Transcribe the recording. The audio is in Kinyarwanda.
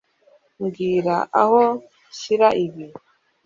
Mbwira aho nshyira ibi.